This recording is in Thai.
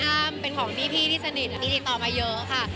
หรือมีพี่สนิทย์บิดต่อมาเยอะค่ะ